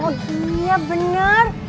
oh iya bener